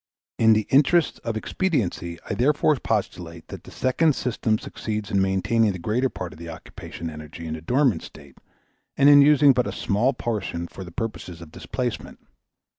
In the interests of expediency I therefore postulate that the second system succeeds in maintaining the greater part of the occupation energy in a dormant state and in using but a small portion for the purposes of displacement.